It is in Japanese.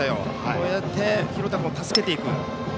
こうやって廣田君を助けていく。